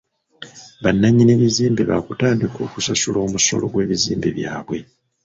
Bannannyini bizimbe baakutandika okusasula omusolo gw'ebizimbe byabwe.